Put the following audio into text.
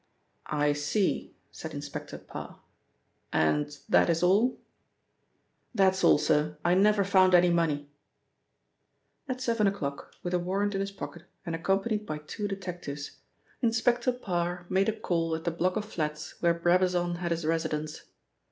"I see," said Inspector Parr. "And that is all?" "That's all, sir. I never found any money." At seven o'clock, with a warrant in his pocket, and accompanied by two detectives, Inspector Parr made a call at the block of flats where Brabazon had his residence.